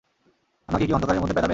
আমাকে কি অন্ধকারের মধ্যে প্যাঁদাবেন?